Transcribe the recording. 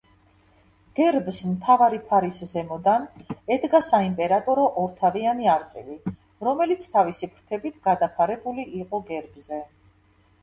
გერბს, მთავარი ფარის ზემოდან ედგა საიმპერატორო ორთავიანი არწივი, რომელიც თავისი ფრთებით გადაფარებული იყო გერბზე.